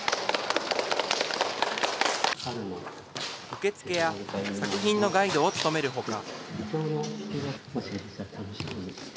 受付や作品のガイドを務めるほか。